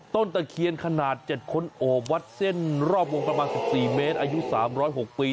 ตะเคียนขนาด๗คนโอบวัดเส้นรอบวงประมาณ๑๔เมตรอายุ๓๐๖ปี